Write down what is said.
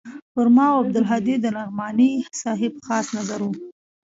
پر ما او عبدالهادي د نعماني صاحب خاص نظر و.